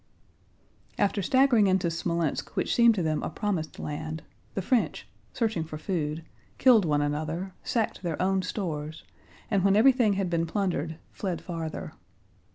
After staggering into Smolénsk which seemed to them a promised land, the French, searching for food, killed one another, sacked their own stores, and when everything had been plundered fled farther.